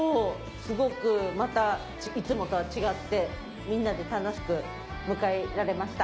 すごくまたいつもとは違ってみんなで楽しく迎えられました。